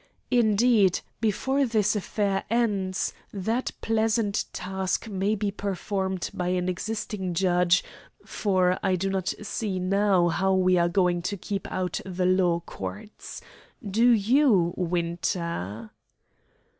Indeed, before this affair ends, that pleasant task may be performed by an existing judge, for I do not see now how we are going to keep out of the law courts. Do you, Winter?"